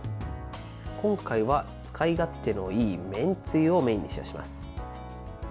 今回は使い勝手のいいめんつゆをメインに使用します。